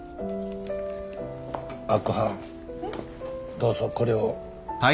どうぞこれを。